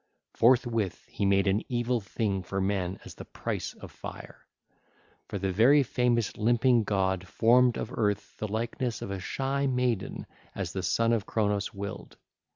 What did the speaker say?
Forthwith he made an evil thing for men as the price of fire; for the very famous Limping God formed of earth the likeness of a shy maiden as the son of Cronos willed.